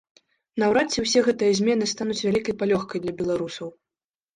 Наўрад ці ўсе гэтыя змены стануць вялікай палёгкай для беларусаў.